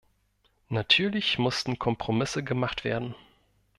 Natürlich mussten Kompromisse gemacht werden.